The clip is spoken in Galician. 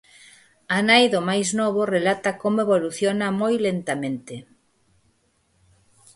A nai do máis novo relata como evoluciona moi lentamente.